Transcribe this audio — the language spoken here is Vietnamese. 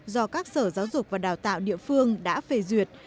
do các sở giáo dục và đào tạo địa phương đã phê duyệt